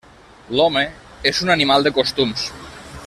L'home és un animal de costums.